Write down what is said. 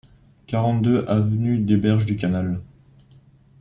quarante-deux avenue des Berges du Canal